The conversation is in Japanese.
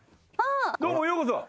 どうもようこそ。